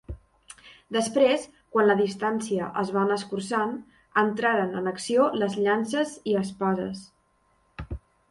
Després, quan la distància es va anar escurçant, entraren en acció les llances i espases.